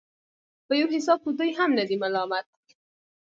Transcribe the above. په يو حساب خو دوى هم نه دي ملامت.